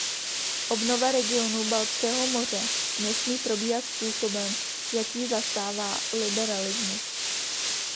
Obnova regionu Baltského moře nesmí probíhat způsobem, jaký zastává liberalismus.